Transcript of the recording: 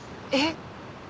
えっ？